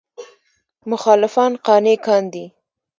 مخالفان قانع کاندي.